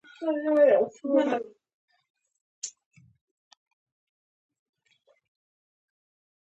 اسلام د ښوونځي ورانول او تړل نه خوښوي